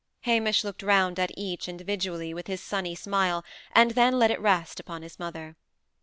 Hamish looked round at each, individually, with his sunny smile, and then let it rest upon his mother.